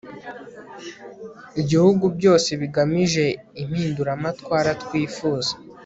igihugu byose bigamije impinduramatwara twifuza